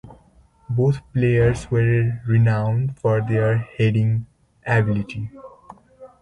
Both players were renowned for their heading ability.